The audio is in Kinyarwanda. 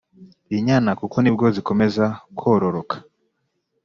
Inyana kuko nibwo zikomeza kororoka